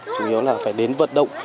chủ yếu là phải đến vận động